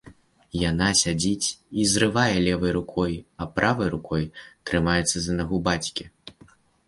Яна сядзіць і зрывае левай рукой, а правай рукой трымаецца за нагу бацькі.